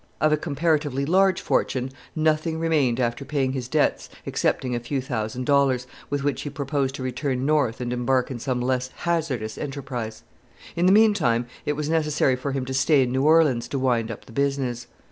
Of a comparatively large fortune nothing remained after paying his debts excepting a few thousand dollars, with which he proposed to return North and embark in some less hazardous enterprise. In the meantime it was necessary for him to stay in New Orleans to wind up the business.